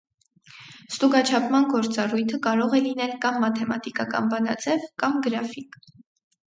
Ստուգաչափման գործառույթը կարող է լինել կամ մաթեմատիկական բանաձև կամ գրաֆիկ։